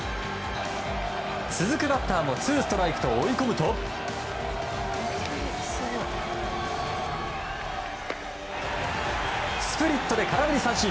続くバッターもツーストライクと追い込むとスプリットで空振り三振。